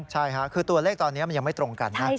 ใช่ค่ะคือตัวเลขตอนนี้มันยังไม่ตรงกันนะ